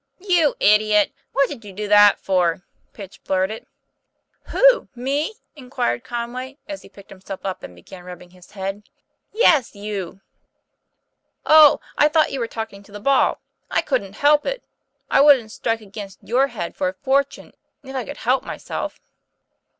"You idiot! What did you do that for?" Pitch blurted. TOM PL A YF AIR. 215 "Who? me?" inquired Conway, as he picked him self up and began rubbing his head. "Yes, you!" 'Oh, I thought you were talking to the ball! / couldn't help it. I wouldn't strike against your head for a fortune, if I could help myself."